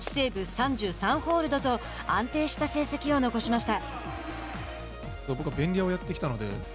３３ホールドと安定した成績を残しました。